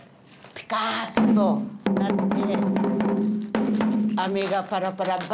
ピカーっとなって。